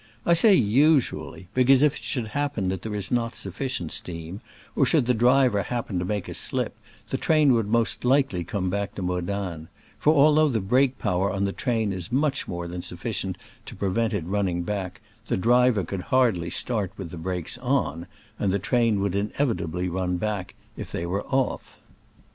I say usually, because, if it should happen that there is not sufficient steam, or should the driver happen to make a slip, the train would most likely come back to Modane; for, although the brake power on the train is much more than sufficient to prevent it running back, the driver could hardly start with the brakes on, and the train would in evitably run back if they were off.